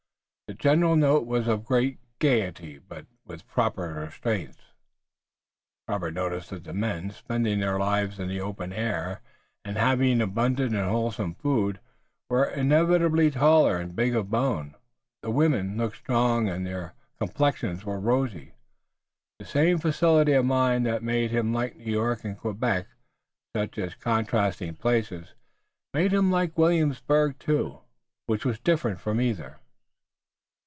The general note was of great gayety, but with proper restraints. Robert noticed that the men, spending their lives in the open air and having abundant and wholesome food, were invariably tall and big of bone. The women looked strong and their complexions were rosy. The same facility of mind that had made him like New York and Quebec, such contrasting places, made him like Williamsburg too, which was different from either.